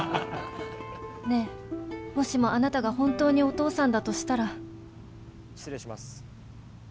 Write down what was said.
ねえもしもあなたが本当にお父さんだとしたら失礼します。